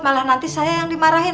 malah nanti saya yang dimarahin